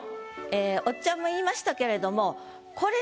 おっちゃんも言いましたけれども。